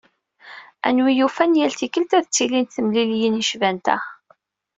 A win yufan, yal tikkelt ad d-ttilint temliliyin yecban ta.